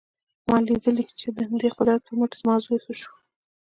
ما لیدلي چې د همدې قدرت پر مټ زما زوی ښه شو